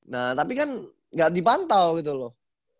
nah tapi kan nggak dipantau gitu loh